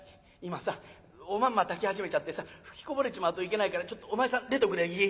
「今さおまんま炊き始めちゃってさ吹きこぼれちまうといけないからちょっとお前さん出ておくれよ」。